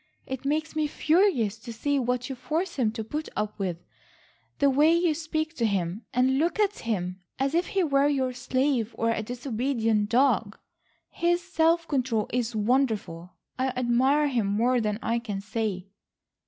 It makes me furious to see what you force him to put up with, the way you speak to him, and look at him, as if he were your slave, or a disobedient dog. His self control is wonderful. I admire him more than I can say."